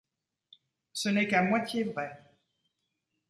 Ce n’est qu’à moitié vrai.